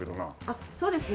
あっそうですね。